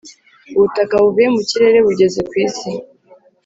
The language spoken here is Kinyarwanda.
ubutaka buvuye mukirere bugeze ku Isi